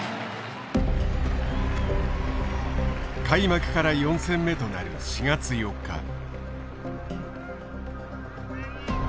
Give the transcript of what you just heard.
開幕から４戦目となる４月４日。